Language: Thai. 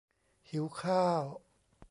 หิวข้าว~